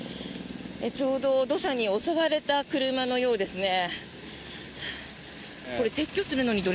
ちょうど土砂に襲われた車のようですね。